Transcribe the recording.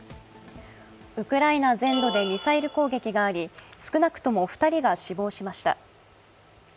ウクライナ全土でミサイル攻撃があり少なくとも２人が死亡しました。